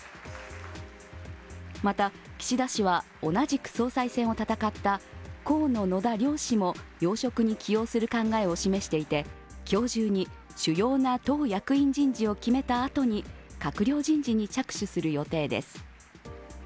また、岸田氏は同じく総裁選を戦った河野・野田両氏も要職に起用する考えを示していて、今日中に主要な党役員人事を決めたあとに閣僚人事に着手する予定です。